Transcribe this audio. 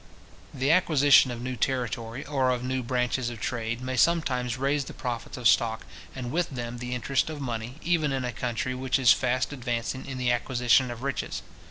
The acquisition of new territory, or of new branches of trade, may sometimes raise the profits of stock, and with them the interest of money, even in a country which is fast advancing in the acquisition of riches.